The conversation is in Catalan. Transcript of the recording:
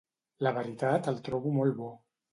La veritat el trobo molt bo.